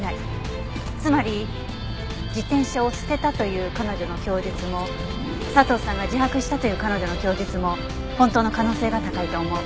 つまり自転車を捨てたという彼女の供述も佐藤さんが自白したという彼女の供述も本当の可能性が高いと思う。